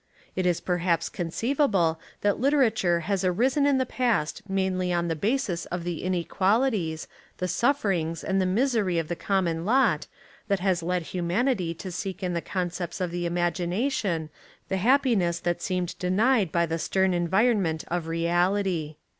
It is perhaps conceivable that literature has arisen in the past mainly on the basis of the inequalities, the sufferings and the misery of the common lot that has led hu manity to seek in the concepts of the imagina tion the happiness that seemed denied by the stern environment of reality.